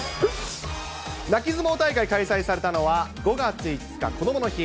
泣き相撲開催されたのは５月５日こどもの日。